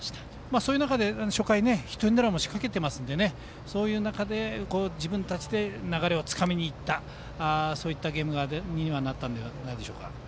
そういう中で初回、ヒットエンドランもしかけていますのでそういう中で自分たちで流れをつかみに行ったそういったゲームになったのではないでしょうか。